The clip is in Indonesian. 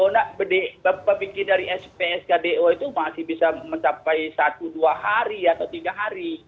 nah pemikir dari spskdo itu masih bisa mencapai satu dua hari atau tiga hari